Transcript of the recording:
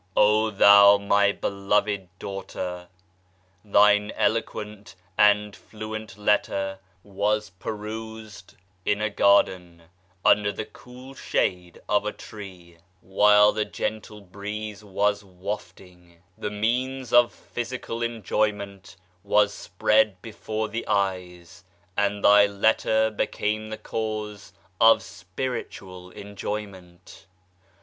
THOU my beloved daughter I Thine eloquent and fluent letter was perused in a gardto, under the cool shade of a tree, while the gentle 170 TABLET REVEALED BY ABDUL BAHA breeze was wafting. The means of physical enjoyment was spread before the eyes and thy letter became the cause of spiritual enjoyment.